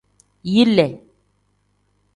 Yile.